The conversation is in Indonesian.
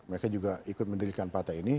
mereka juga ikut mendirikan partai ini